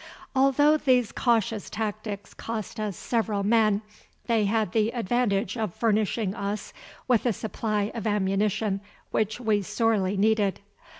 Although these cautious tactics cost us several men, they had the advantage of furnishing us with a supply of ammunition which we sorely needed.